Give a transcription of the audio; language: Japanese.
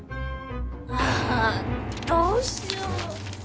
あどうしよう！